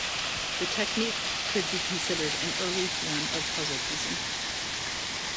The technique could be considered an early form of puzzle piecing.